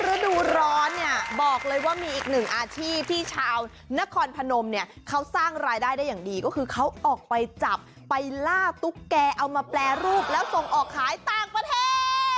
ฤดูร้อนเนี่ยบอกเลยว่ามีอีกหนึ่งอาชีพที่ชาวนครพนมเนี่ยเขาสร้างรายได้ได้อย่างดีก็คือเขาออกไปจับไปล่าตุ๊กแกเอามาแปรรูปแล้วส่งออกขายต่างประเทศ